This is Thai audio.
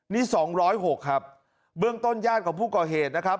นี้สองร้อยหกครับเบื้องต้นย่านของผู้ก่อเหตุนะครับ